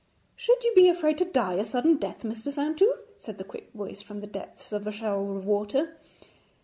'Should you be afraid to die a sudden death, Mr. Saintou?' said the quick voice from the depths of a shower of water.